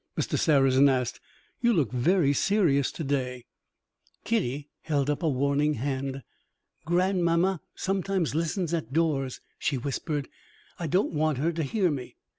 Mr. Sarrazin asked. "You look very serious to day." Kitty held up a warning hand. "Grandmamma sometimes listens at doors," she whispered; "I don't want her to hear me."